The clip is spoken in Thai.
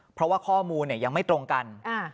เพราะว่าข้อมูลยังไม่ตรงกัน